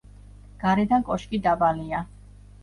გარედან კოშკი დაბალია.